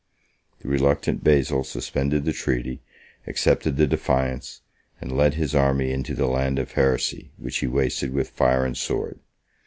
The reluctant Basil suspended the treaty, accepted the defiance, and led his army into the land of heresy, which he wasted with fire and sword.